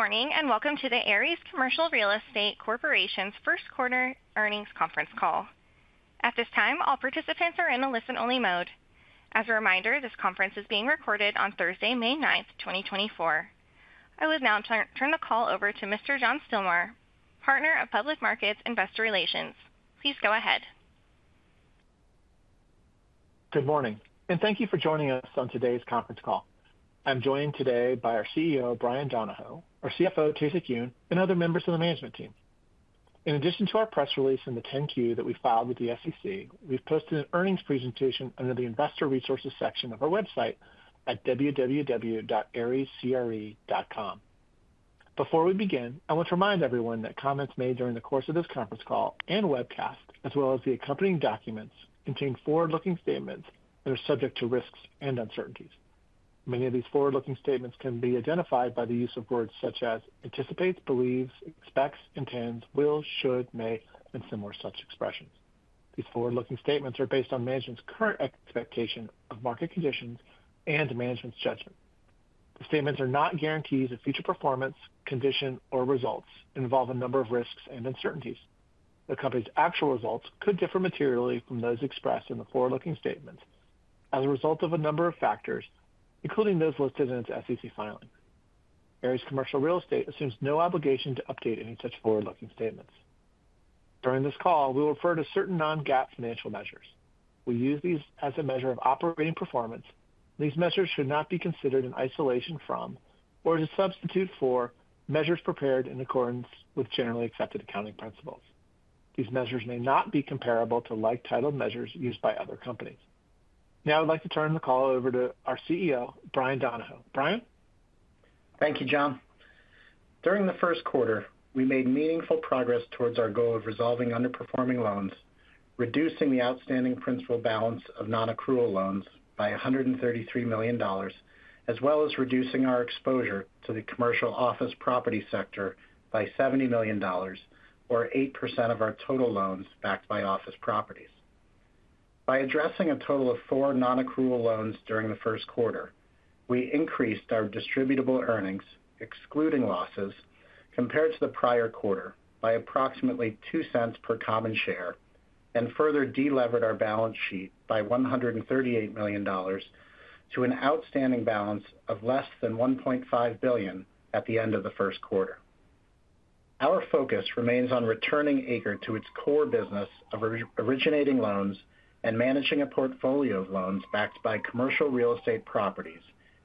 Good morning and welcome to the Ares Commercial Real Estate Corporation's first quarter earnings conference call. At this time, all participants are in a listen-only mode. As a reminder, this conference is being recorded on Thursday, May 9th, 2024. I will now turn the call over to Mr. John Stilmar, partner of Public Markets Investor Resources. Please go ahead. Good morning, and thank you for joining us on today's conference call. I'm joined today by our CEO, Bryan Donohoe, our CFO, Tae-Sik Yoon, and other members of the management team. In addition to our press release and the 10-Q that we filed with the SEC, we've posted an earnings presentation under the Investor Resources section of our website at www.arescre.com. Before we begin, I want to remind everyone that comments made during the course of this conference call and webcast, as well as the accompanying documents, contain forward-looking statements that are subject to risks and uncertainties. Many of these forward-looking statements can be identified by the use of words such as anticipates, believes, expects, intends, will, should, may, and similar such expressions. These forward-looking statements are based on management's current expectation of market conditions and management's judgment. The statements are not guarantees of future performance, condition, or results and involve a number of risks and uncertainties. The company's actual results could differ materially from those expressed in the forward-looking statements as a result of a number of factors, including those listed in its SEC filing. Ares Commercial Real Estate assumes no obligation to update any such forward-looking statements. During this call, we will refer to certain non-GAAP financial measures. We use these as a measure of operating performance, and these measures should not be considered in isolation from or as a substitute for measures prepared in accordance with generally accepted accounting principles. These measures may not be comparable to like-titled measures used by other companies. Now I'd like to turn the call over to our CEO, Bryan Donohoe. Bryan? Thank you, John. During the first quarter, we made meaningful progress towards our goal of resolving underperforming loans, reducing the outstanding principal balance of non-accrual loans by $133 million, as well as reducing our exposure to the commercial office property sector by $70 million, or 8% of our total loans backed by office properties. By addressing a total of four non-accrual loans during the first quarter, we increased our distributable earnings, excluding losses, compared to the prior quarter by approximately $0.02 per common share and further delevered our balance sheet by $138 million to an outstanding balance of less than $1.5 billion at the end of the first quarter. Our focus remains on returning ACRE to its core business of originating loans and managing a portfolio of loans backed by commercial real estate properties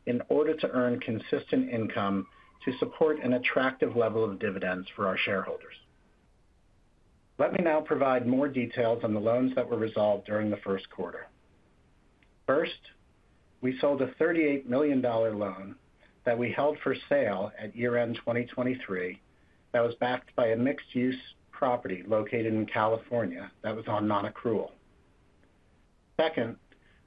in order to earn consistent income to support an attractive level of dividends for our shareholders. Let me now provide more details on the loans that were resolved during the first quarter. First, we sold a $38 million loan that we held for sale at year-end 2023 that was backed by a mixed-use property located in California that was on non-accrual. Second,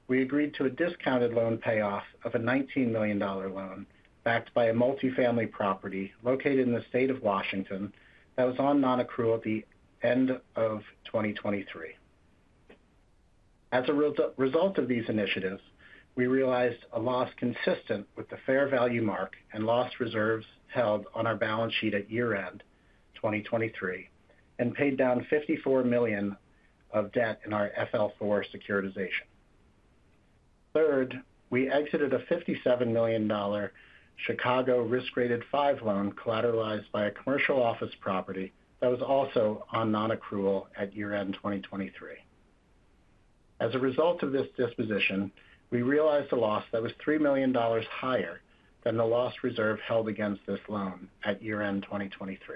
we agreed to a discounted loan payoff of a $19 million loan backed by a multifamily property located in the state of Washington that was on non-accrual at the end of 2023. As a result of these initiatives, we realized a loss consistent with the fair value mark and loss reserves held on our balance sheet at year-end 2023 and paid down $54 million of debt in our FL4 securitization. Third, we exited a $57 million Chicago risk-rated 5 loan collateralized by a commercial office property that was also on non-accrual at year-end 2023. As a result of this disposition, we realized a loss that was $3 million higher than the loss reserve held against this loan at year-end 2023.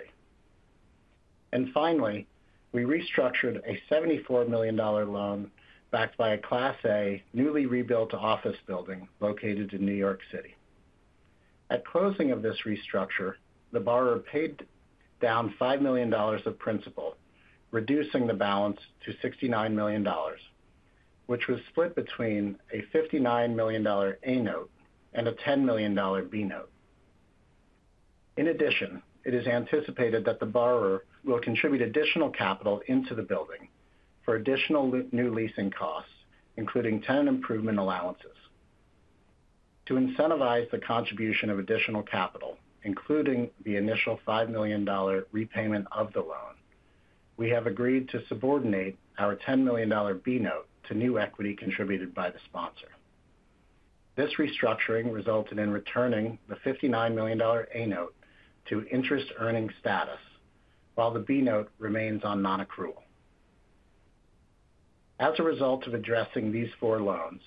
And finally, we restructured a $74 million loan backed by a Class A newly rebuilt office building located in New York City. At closing of this restructure, the borrower paid down $5 million of principal, reducing the balance to $69 million, which was split between a $59 million A note and a $10 million B note. In addition, it is anticipated that the borrower will contribute additional capital into the building for additional new leasing costs, including tenant improvement allowances. To incentivize the contribution of additional capital, including the initial $5 million repayment of the loan, we have agreed to subordinate our $10 million B note to new equity contributed by the sponsor. This restructuring resulted in returning the $59 million A note to interest-earning status while the B note remains on non-accrual. As a result of addressing these four loans,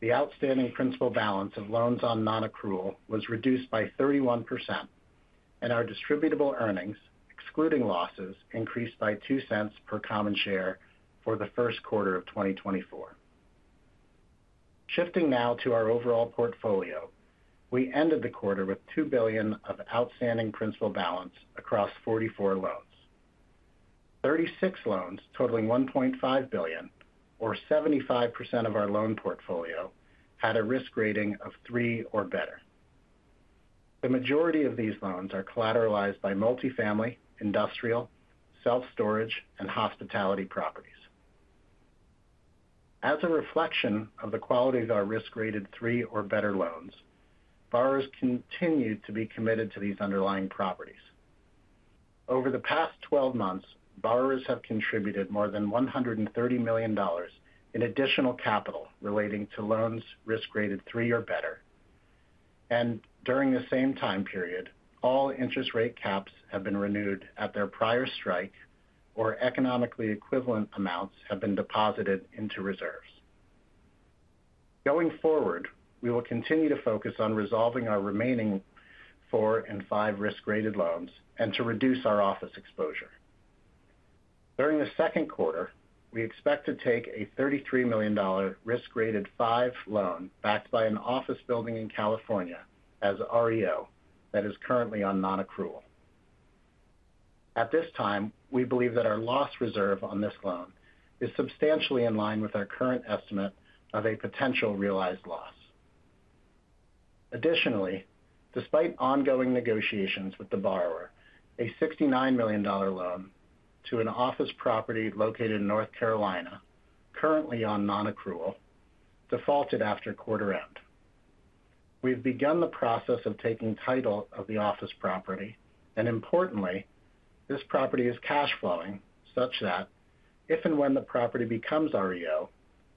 the outstanding principal balance of loans on non-accrual was reduced by 31%, and our distributable earnings, excluding losses, increased by $0.02 per common share for the first quarter of 2024. Shifting now to our overall portfolio, we ended the quarter with $2 billion of outstanding principal balance across 44 loans. 36 loans totaling $1.5 billion, or 75% of our loan portfolio, had a risk rating of 3 or better. The majority of these loans are collateralized by multifamily, industrial, self-storage, and hospitality properties. As a reflection of the quality of our risk-rated 3 or better loans, borrowers continue to be committed to these underlying properties. Over the past 12 months, borrowers have contributed more than $130 million in additional capital relating to loans risk-rated 3 or better, and during the same time period, all interest rate caps have been renewed at their prior strike or economically equivalent amounts have been deposited into reserves. Going forward, we will continue to focus on resolving our remaining 4 and 5 risk-rated loans and to reduce our office exposure. During the second quarter, we expect to take a $33 million risk-rated 5 loan backed by an office building in California as REO that is currently on non-accrual. At this time, we believe that our loss reserve on this loan is substantially in line with our current estimate of a potential realized loss. Additionally, despite ongoing negotiations with the borrower, a $69 million loan to an office property located in North Carolina, currently on non-accrual, defaulted after quarter-end. We've begun the process of taking title of the office property, and importantly, this property is cash-flowing such that if and when the property becomes REO,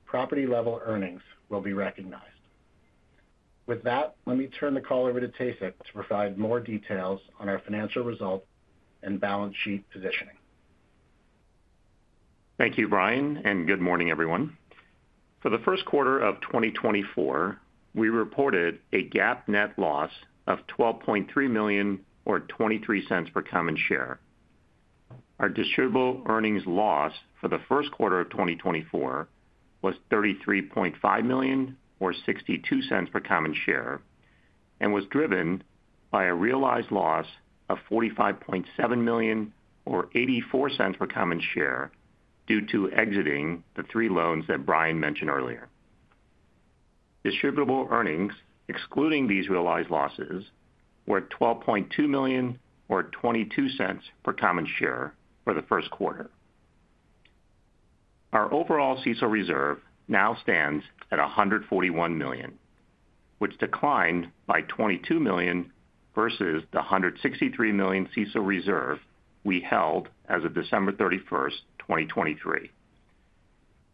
property-level earnings will be recognized. With that, let me turn the call over to Tae-Sik to provide more details on our financial result and balance sheet positioning. Thank you, Bryan, and good morning, everyone. For the first quarter of 2024, we reported a GAAP net loss of $12.3 million, or $0.23 per common share. Our Distributable Earnings loss for the first quarter of 2024 was $33.5 million, or $0.62 per common share, and was driven by a realized loss of $45.7 million, or $0.84 per common share, due to exiting the three loans that Bryan mentioned earlier. Distributable Earnings, excluding these realized losses, were $12.2 million, or $0.22 per common share, for the first quarter. Our overall CECL reserve now stands at $141 million, which declined by $22 million versus the $163 million CECL reserve we held as of December 31st, 2023.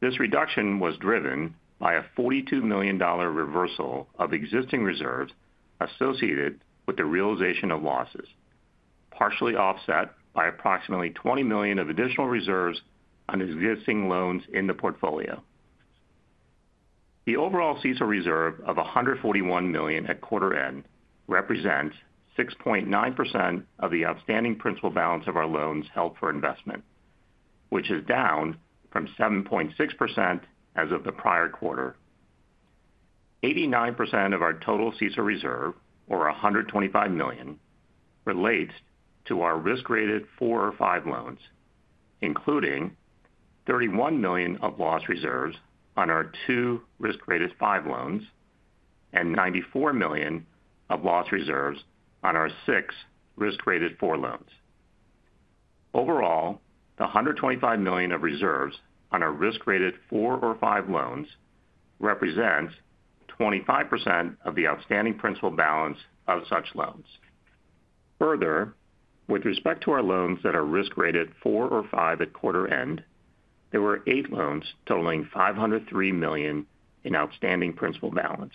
This reduction was driven by a $42 million reversal of existing reserves associated with the realization of losses, partially offset by approximately $20 million of additional reserves on existing loans in the portfolio. The overall CECL reserve of $141 million at quarter-end represents 6.9% of the outstanding principal balance of our loans held for investment, which is down from 7.6% as of the prior quarter. 89% of our total CECL reserve, or $125 million, relates to our risk-rated 4 or 5 loans, including $31 million of loss reserves on our two risk-rated 5 loans and $94 million of loss reserves on our six risk-rated 4 loans. Overall, the $125 million of reserves on our risk-rated 4 or 5 loans represents 25% of the outstanding principal balance of such loans. Further, with respect to our loans that are risk-rated 4 or 5 at quarter-end, there were eight loans totaling $503 million in outstanding principal balance.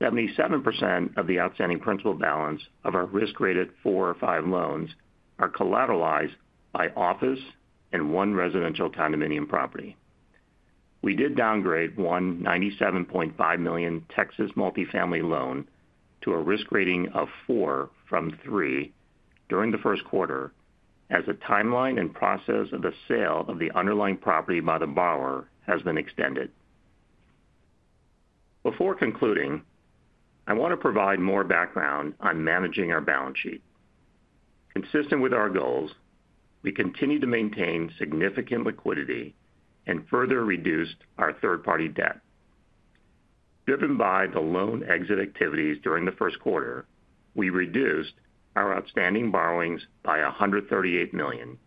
77% of the outstanding principal balance of our risk-rated 4 or 5 loans are collateralized by office and one residential condominium property. We did downgrade one $97.5 million Texas multifamily loan to a risk rating of 4 from 3 during the first quarter as the timeline and process of the sale of the underlying property by the borrower has been extended. Before concluding, I want to provide more background on managing our balance sheet. Consistent with our goals, we continue to maintain significant liquidity and further reduced our third-party debt. Driven by the loan exit activities during the first quarter, we reduced our outstanding borrowings by $138 million,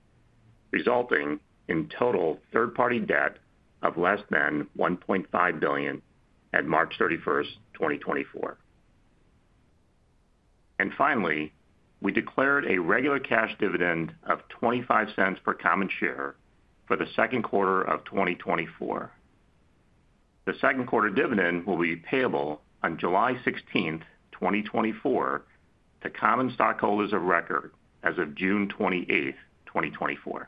resulting in total third-party debt of less than $1.5 billion at March 31st, 2024. Finally, we declared a regular cash dividend of $0.25 per common share for the second quarter of 2024. The second quarter dividend will be payable on July 16th, 2024, to common stockholders of record as of June 28th, 2024.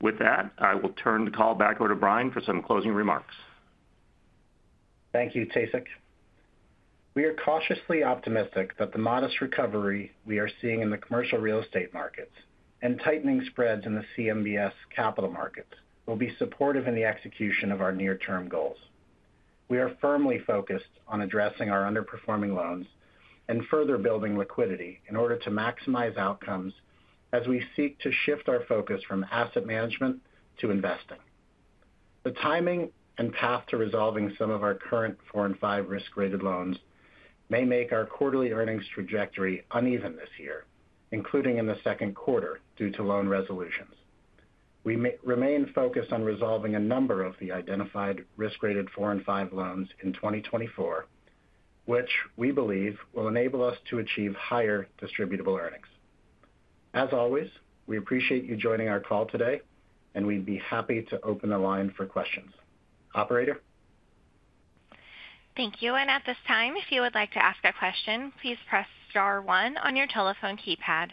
With that, I will turn the call back over to Bryan for some closing remarks. Thank you, Tae-Sik Yoon. We are cautiously optimistic that the modest recovery we are seeing in the commercial real estate markets and tightening spreads in the CMBS capital markets will be supportive in the execution of our near-term goals. We are firmly focused on addressing our underperforming loans and further building liquidity in order to maximize outcomes as we seek to shift our focus from asset management to investing. The timing and path to resolving some of our current four and five risk-rated loans may make our quarterly earnings trajectory uneven this year, including in the second quarter due to loan resolutions. We remain focused on resolving a number of the identified risk-rated four and five loans in 2024, which we believe will enable us to achieve higher distributable earnings. As always, we appreciate you joining our call today, and we'd be happy to open the line for questions. Operator? Thank you. At this time, if you would like to ask a question, please press star one on your telephone keypad.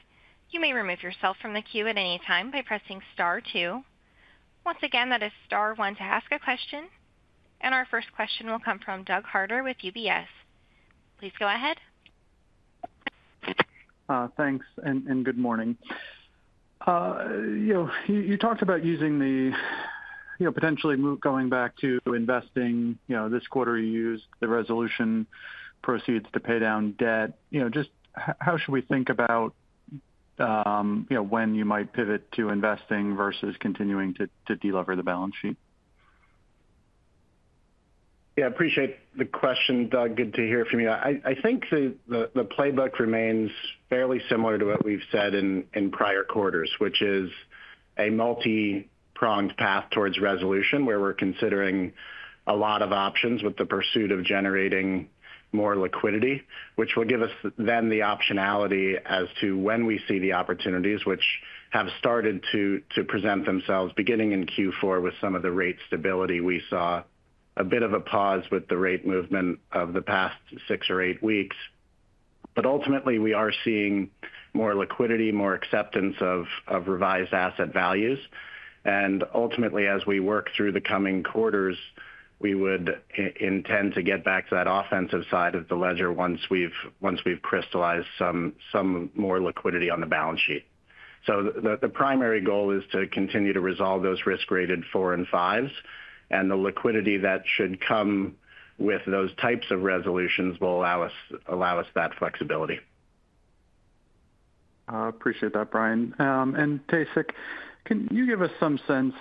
You may remove yourself from the queue at any time by pressing star two. Once again, that is star one to ask a question. Our first question will come from Doug Harter with UBS. Please go ahead. Thanks and good morning. You talked about using the potentially going back to investing. This quarter, you used the resolution proceeds to pay down debt. Just how should we think about when you might pivot to investing versus continuing to delever the balance sheet? Yeah, I appreciate the question, Doug. Good to hear from you. I think the playbook remains fairly similar to what we've said in prior quarters, which is a multi-pronged path towards resolution where we're considering a lot of options with the pursuit of generating more liquidity, which will give us then the optionality as to when we see the opportunities which have started to present themselves, beginning in Q4 with some of the rate stability. We saw a bit of a pause with the rate movement of the past 6 or 8 weeks. But ultimately, we are seeing more liquidity, more acceptance of revised asset values. And ultimately, as we work through the coming quarters, we would intend to get back to that offensive side of the ledger once we've crystallized some more liquidity on the balance sheet. So the primary goal is to continue to resolve those risk-rated 4 and 5s, and the liquidity that should come with those types of resolutions will allow us that flexibility. I appreciate that, Bryan. Tae-Sik Yoon, can you give us some sense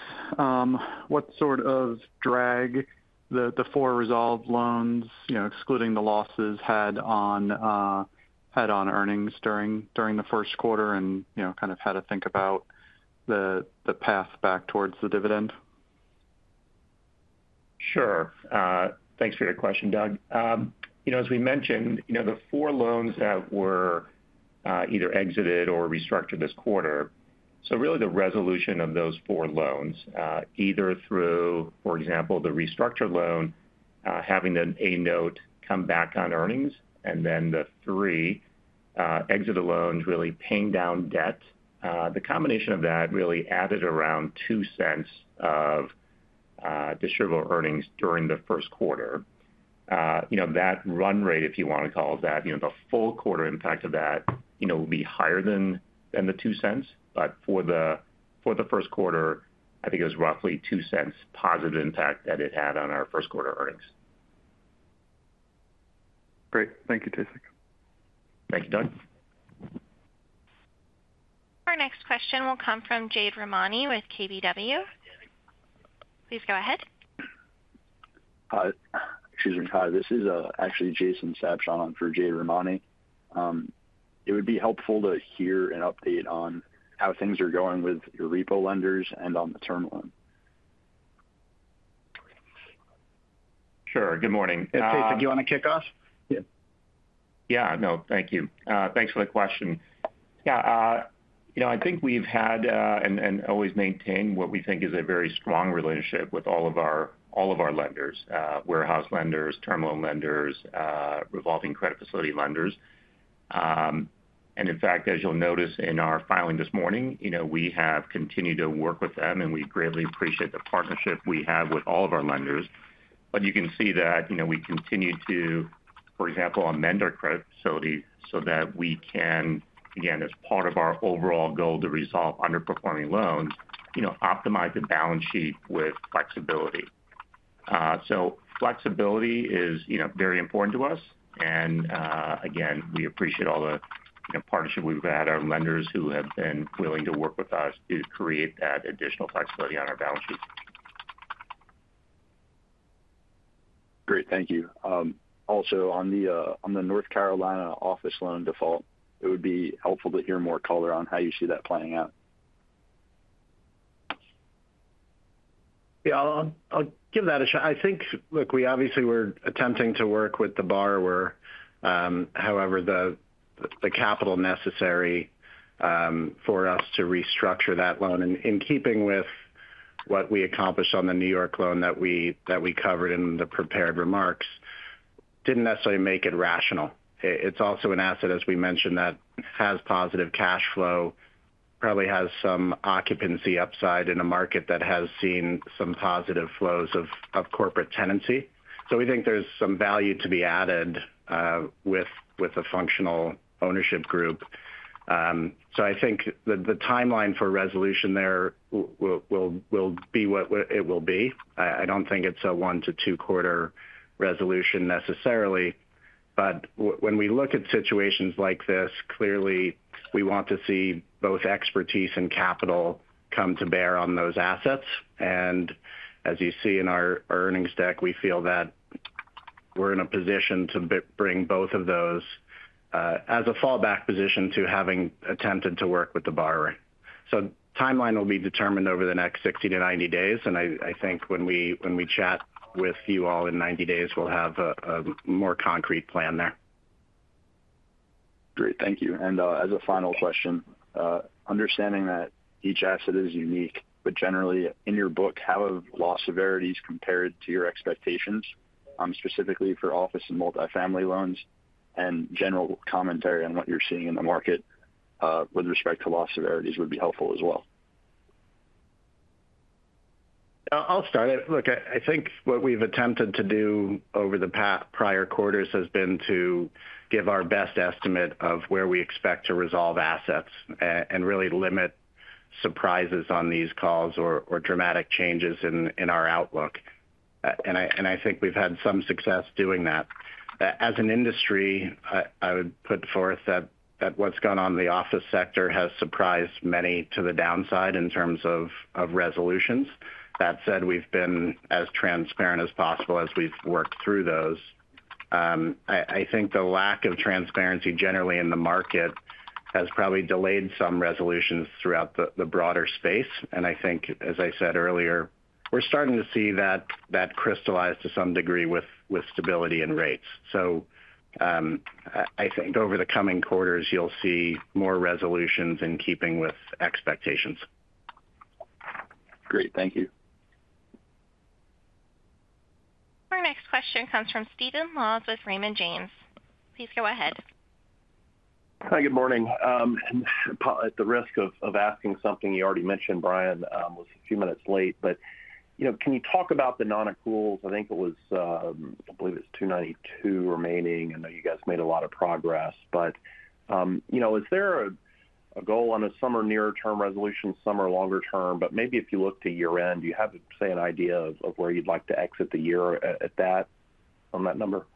what sort of drag the four resolved loans, excluding the losses, had on earnings during the first quarter and kind of how to think about the path back towards the dividend? Sure. Thanks for your question, Doug. As we mentioned, the 4 loans that were either exited or restructured this quarter so really, the resolution of those 4 loans, either through, for example, the restructure loan, having the A note come back on earnings, and then the three exits of loans really paying down debt, the combination of that really added around $0.02 of distributable earnings during the first quarter. That run rate, if you want to call it that, the full quarter impact of that will be higher than the $0.02. But for the first quarter, I think it was roughly $0.02 positive impact that it had on our first quarter earnings. Great. Thank you, Tae-Sik Yoon. Thank you, Doug. Our next question will come from Jade Rahmani with KBW. Please go ahead. Excuse me. Hi. This is actually Jason Sabshon for Jade Rahmani. It would be helpful to hear an update on how things are going with your repo lenders and on the term loan. Sure. Good morning. Tae-Sik Yoon, do you want to kick off? Yeah. Yeah. No, thank you. Thanks for the question. Yeah, I think we've had and always maintain what we think is a very strong relationship with all of our lenders: warehouse lenders, term loan lenders, revolving credit facility lenders. And in fact, as you'll notice in our filing this morning, we have continued to work with them, and we greatly appreciate the partnership we have with all of our lenders. But you can see that we continue to, for example, amend our credit facilities so that we can again, as part of our overall goal to resolve underperforming loans, optimize the balance sheet with flexibility. So flexibility is very important to us. And again, we appreciate all the partnership we've had, our lenders who have been willing to work with us to create that additional flexibility on our balance sheet. Great. Thank you. Also, on the North Carolina office loan default, it would be helpful to hear more color on how you see that playing out. Yeah, I'll give that a shot. I think, look, we obviously were attempting to work with the borrower; however, the capital necessary for us to restructure that loan, in keeping with what we accomplished on the New York loan that we covered in the prepared remarks, didn't necessarily make it rational. It's also an asset, as we mentioned, that has positive cash flow, probably has some occupancy upside in a market that has seen some positive flows of corporate tenancy. So we think there's some value to be added with a functional ownership group. So I think the timeline for resolution there will be what it will be. I don't think it's a 1-2-quarter resolution necessarily. But when we look at situations like this, clearly, we want to see both expertise and capital come to bear on those assets. As you see in our earnings deck, we feel that we're in a position to bring both of those as a fallback position to having attempted to work with the borrower. Timeline will be determined over the next 60-90 days. I think when we chat with you all in 90 days, we'll have a more concrete plan there. Great. Thank you. And as a final question, understanding that each asset is unique, but generally, in your book, how have loss severities compared to your expectations, specifically for office and multifamily loans? And general commentary on what you're seeing in the market with respect to loss severities would be helpful as well. I'll start it. Look, I think what we've attempted to do over the prior quarters has been to give our best estimate of where we expect to resolve assets and really limit surprises on these calls or dramatic changes in our outlook. And I think we've had some success doing that. As an industry, I would put forth that what's gone on the office sector has surprised many to the downside in terms of resolutions. That said, we've been as transparent as possible as we've worked through those. I think the lack of transparency generally in the market has probably delayed some resolutions throughout the broader space. And I think, as I said earlier, we're starting to see that crystallize to some degree with stability in rates. So I think over the coming quarters, you'll see more resolutions in keeping with expectations. Great. Thank you. Our next question comes from Stephen Laws with Raymond James. Please go ahead. Hi. Good morning. At the risk of asking something you already mentioned, Bryan was a few minutes late. But can you talk about the non-accruals? I think it was I believe it's 292 remaining. I know you guys made a lot of progress. But is there a goal on a summer near-term resolution, summer longer-term? But maybe if you look to year-end, do you have, say, an idea of where you'd like to exit the year at that, on that number?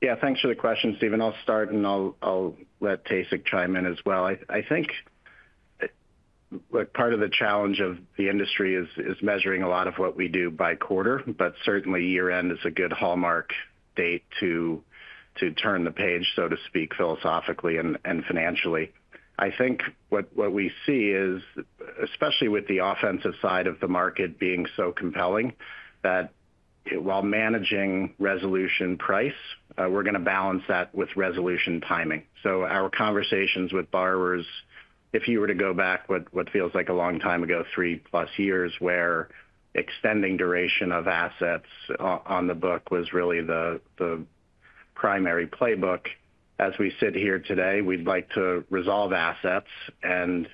Yeah, thanks for the question, Stephen. I'll start, and I'll let Tae-Sik chime in as well. I think part of the challenge of the industry is measuring a lot of what we do by quarter. But certainly, year-end is a good hallmark date to turn the page, so to speak, philosophically and financially. I think what we see is, especially with the offensive side of the market being so compelling, that while managing resolution price, we're going to balance that with resolution timing. So our conversations with borrowers, if you were to go back what feels like a long time ago, three-plus years, where extending duration of assets on the book was really the primary playbook. As we sit here today, we'd like to resolve assets and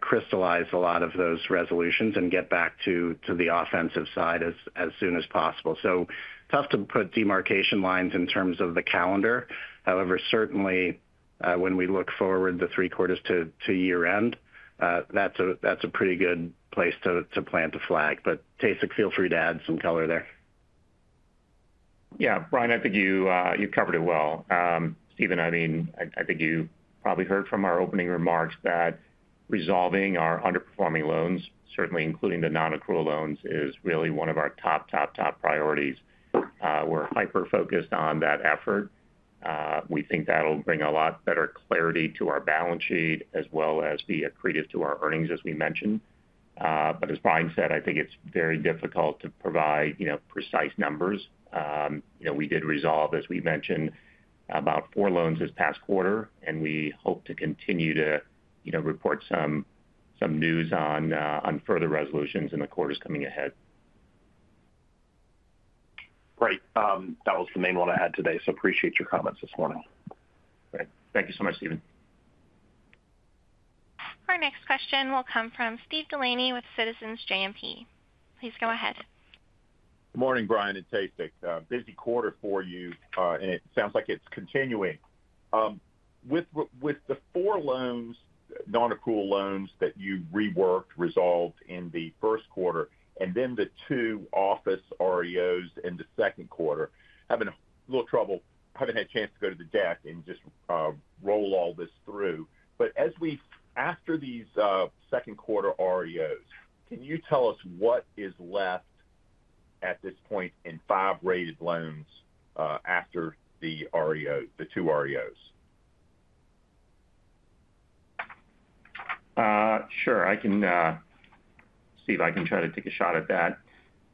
crystallize a lot of those resolutions and get back to the offensive side as soon as possible. So tough to put demarcation lines in terms of the calendar. However, certainly, when we look forward the three quarters to year-end, that's a pretty good place to plant a flag. But Tae-Sik Yoon, feel free to add some color there. Yeah, Bryan, I think you covered it well. Stephen, I mean, I think you probably heard from our opening remarks that resolving our underperforming loans, certainly including the non-accrual loans, is really one of our top, top, top priorities. We're hyper-focused on that effort. We think that'll bring a lot better clarity to our balance sheet as well as be accretive to our earnings, as we mentioned. But as Bryan said, I think it's very difficult to provide precise numbers. We did resolve, as we mentioned, about 4 loans this past quarter, and we hope to continue to report some news on further resolutions in the quarters coming ahead. Great. That was the main one I had today. So, appreciate your comments this morning. Great. Thank you so much, Stephen. Our next question will come from Steve Delaney with Citizens JMP. Please go ahead. Good morning, Bryan and Tae-Sik Yoon. Busy quarter for you, and it sounds like it's continuing. With the four non-accrual loans that you reworked, resolved in the first quarter, and then the two office REOs in the second quarter, having a little trouble, haven't had a chance to go to the deck and just roll all this through. But after these second quarter REOs, can you tell us what is left at this point in five rated loans after the two REOs? Sure. Steve, I can try to take a shot at that.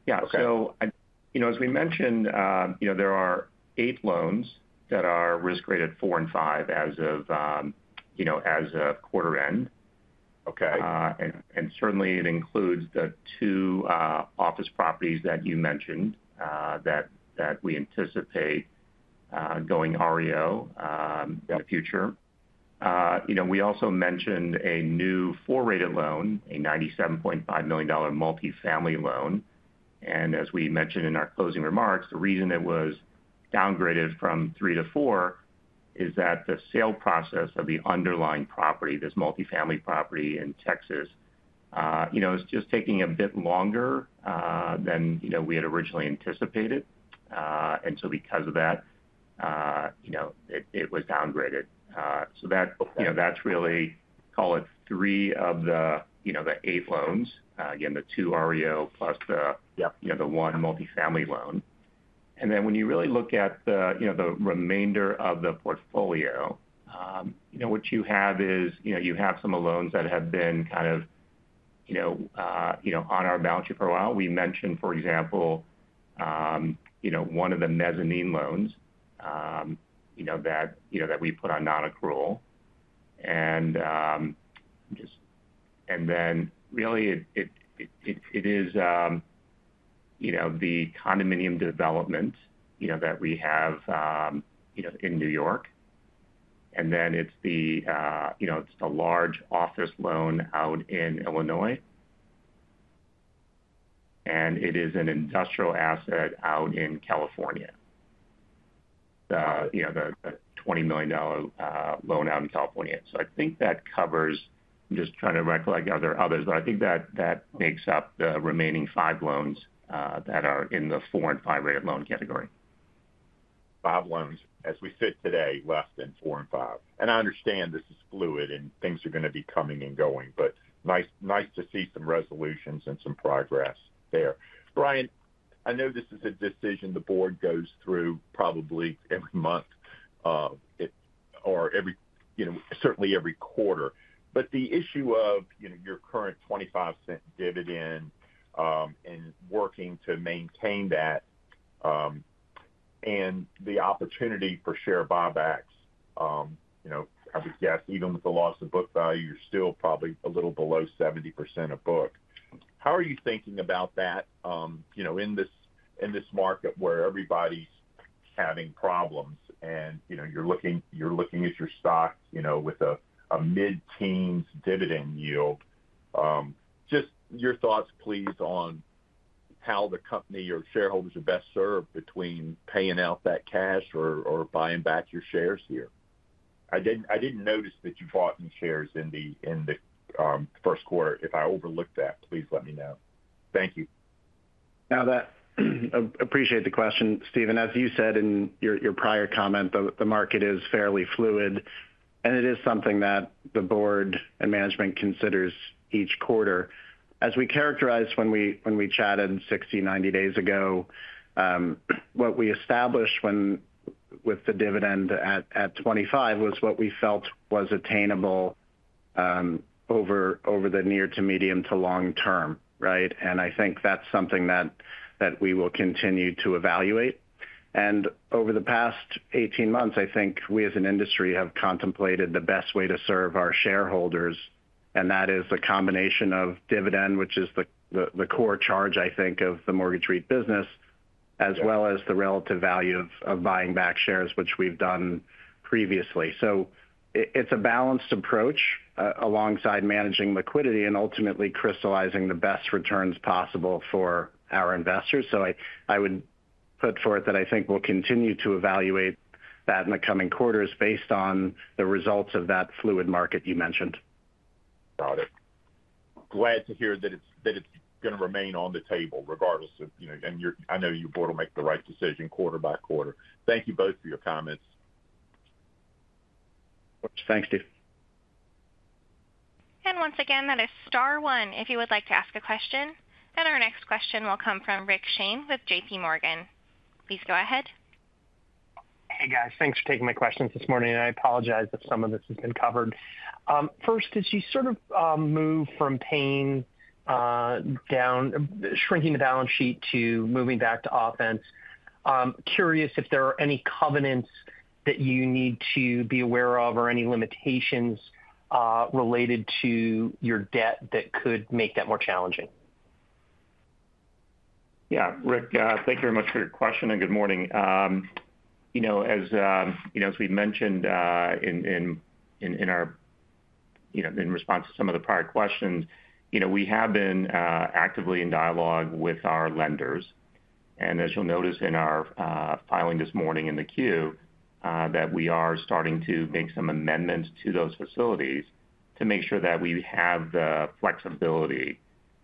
Yeah, so as we mentioned, there are 8 loans that are risk-rated 4 and 5 as of quarter-end. And certainly, it includes the 2 office properties that you mentioned that we anticipate going REO in the future. We also mentioned a new 4-rated loan, a $97.5 million multifamily loan. And as we mentioned in our closing remarks, the reason it was downgraded from 3 to 4 is that the sale process of the underlying property, this multifamily property in Texas, is just taking a bit longer than we had originally anticipated. And so because of that, it was downgraded. So that's really, call it, 3 of the 8 loans, again, the 2 REO plus the one multifamily loan. And then when you really look at the remainder of the portfolio, what you have is you have some of the loans that have been kind of on our balance sheet for a while. We mentioned, for example, one of the mezzanine loans that we put on non-accrual. And then really, it is the condominium development that we have in New York. And then it's a large office loan out in Illinois. And it is an industrial asset out in California, the $20 million loan out in California. So I think that covers. I'm just trying to recollect. Are there others? But I think that makes up the remaining five loans that are in the 4 and 5 rated loan category. 5 loans as we sit today, left in 4 and 5. I understand this is fluid, and things are going to be coming and going. Nice to see some resolutions and some progress there. Bryan, I know this is a decision the board goes through probably every month or certainly every quarter. The issue of your current $0.25 dividend and working to maintain that and the opportunity for share buybacks, I would guess, even with the loss of book value, you're still probably a little below 70% of book. How are you thinking about that in this market where everybody's having problems, and you're looking at your stock with a mid-teens dividend yield? Just your thoughts, please, on how the company or shareholders are best served between paying out that cash or buying back your shares here. I didn't notice that you bought any shares in the first quarter. If I overlooked that, please let me know. Thank you. Appreciate the question, Stephen. As you said in your prior comment, the market is fairly fluid, and it is something that the board and management considers each quarter. As we characterized when we chatted 60, 90 days ago, what we established with the dividend at 25 was what we felt was attainable over the near to medium to long term, right? And I think that's something that we will continue to evaluate. And over the past 18 months, I think we, as an industry, have contemplated the best way to serve our shareholders. And that is the combination of dividend, which is the core charge, I think, of the mortgage REIT business, as well as the relative value of buying back shares, which we've done previously. So it's a balanced approach alongside managing liquidity and ultimately crystallizing the best returns possible for our investors. I would put forth that I think we'll continue to evaluate that in the coming quarters based on the results of that fluid market you mentioned. Got it. Glad to hear that it's going to remain on the table regardless of, and I know your board will make the right decision quarter by quarter. Thank you both for your comments. Thanks, Steve. Once again, that is star one if you would like to ask a question. Our next question will come from Rick Shane with J.P. Morgan. Please go ahead. Hey, guys. Thanks for taking my questions this morning. I apologize if some of this has been covered. First, as you sort of move from shrinking the balance sheet to moving back to offense, curious if there are any covenants that you need to be aware of or any limitations related to your debt that could make that more challenging? Yeah, Rick, thank you very much for your question, and good morning. As we mentioned in response to some of the prior questions, we have been actively in dialogue with our lenders. And as you'll notice in our filing this morning in the Q, that we are starting to make some amendments to those facilities to make sure that we have the flexibility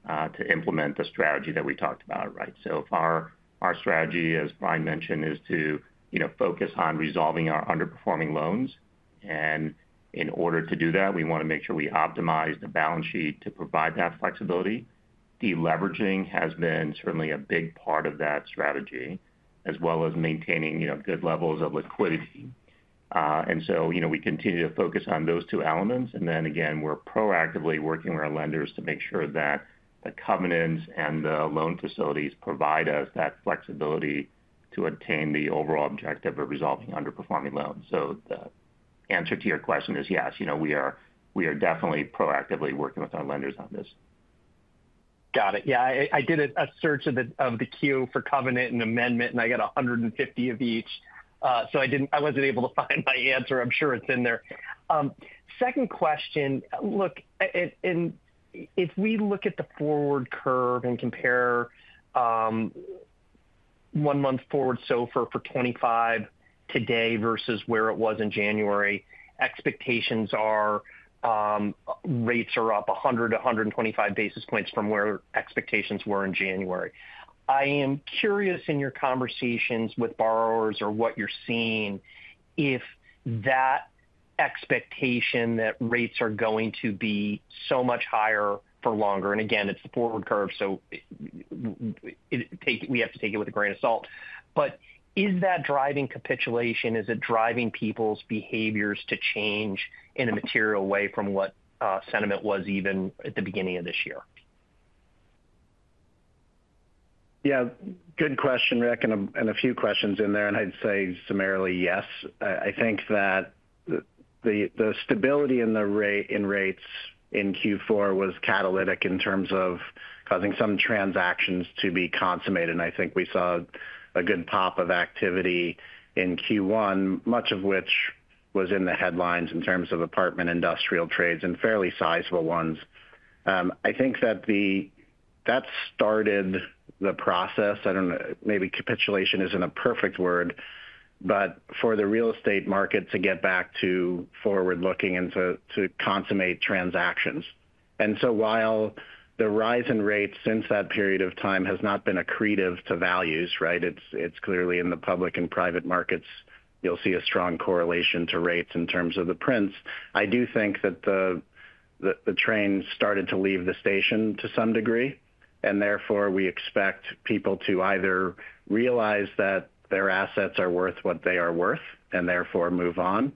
to implement the strategy that we talked about, right? So if our strategy, as Bryan mentioned, is to focus on resolving our underperforming loans, and in order to do that, we want to make sure we optimize the balance sheet to provide that flexibility. De-leveraging has been certainly a big part of that strategy, as well as maintaining good levels of liquidity. And so we continue to focus on those two elements. Then again, we're proactively working with our lenders to make sure that the covenants and the loan facilities provide us that flexibility to attain the overall objective of resolving underperforming loans. The answer to your question is yes. We are definitely proactively working with our lenders on this. Got it. Yeah, I did a search of the queue for covenant and amendment, and I got 150 of each. So I wasn't able to find my answer. I'm sure it's in there. Second question, look, if we look at the forward curve and compare 1-month forward, so for 25 today versus where it was in January, expectations are rates are up 100-125 basis points from where expectations were in January. I am curious in your conversations with borrowers or what you're seeing if that expectation that rates are going to be so much higher for longer and again, it's the forward curve, so we have to take it with a grain of salt. But is that driving capitulation? Is it driving people's behaviors to change in a material way from what sentiment was even at the beginning of this year? Yeah, good question, Rick, and a few questions in there. I'd say summarily, yes. I think that the stability in rates in Q4 was catalytic in terms of causing some transactions to be consummated. I think we saw a good pop of activity in Q1, much of which was in the headlines in terms of apartment industrial trades and fairly sizable ones. I think that that started the process. I don't know. Maybe capitulation isn't a perfect word, but for the real estate market to get back to forward-looking and to consummate transactions. While the rise in rates since that period of time has not been accretive to values, right, it's clearly in the public and private markets. You'll see a strong correlation to rates in terms of the prints. I do think that the train started to leave the station to some degree. Therefore, we expect people to either realize that their assets are worth what they are worth and therefore move on.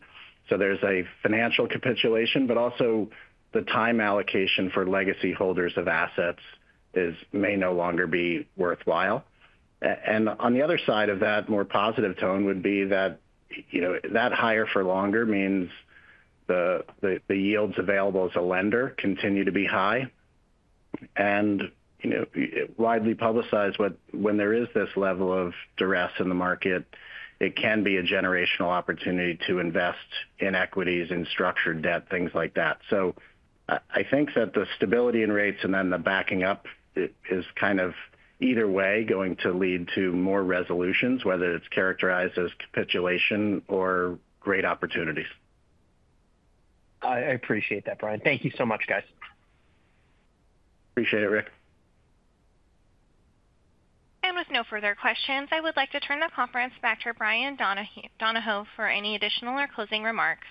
So there's a financial capitulation, but also the time allocation for legacy holders of assets may no longer be worthwhile. On the other side of that, more positive tone would be that that higher for longer means the yields available as a lender continue to be high. Widely publicized, when there is this level of duress in the market, it can be a generational opportunity to invest in equities, in structured debt, things like that. I think that the stability in rates and then the backing up is kind of either way going to lead to more resolutions, whether it's characterized as capitulation or great opportunities. I appreciate that, Bryan. Thank you so much, guys. Appreciate it, Rick. With no further questions, I would like to turn the conference back to Bryan Donohoe for any additional or closing remarks.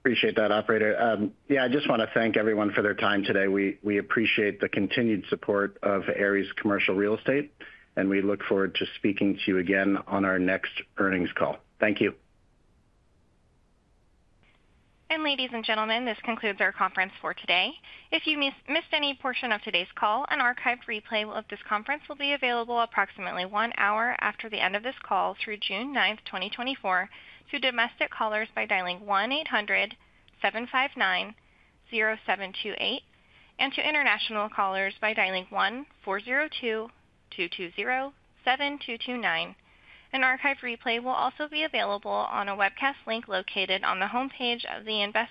Appreciate that, operator. Yeah, I just want to thank everyone for their time today. We appreciate the continued support of Ares Commercial Real Estate, and we look forward to speaking to you again on our next earnings call. Thank you. Ladies and gentlemen, this concludes our conference for today. If you missed any portion of today's call, an archived replay of this conference will be available approximately one hour after the end of this call through June 9th, 2024, to domestic callers by dialing 1-800-759-0728 and to international callers by dialing 1-402-220-7229. An archived replay will also be available on a webcast link located on the homepage of the Invest.